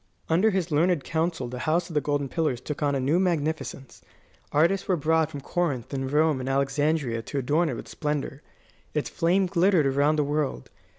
Under his learned counsel the House of the Golden Pillars took on a new magnificence. Artists were brought from Corinth and Rome and Alexandria to adorn it with splendour. Its fame glittered around the world.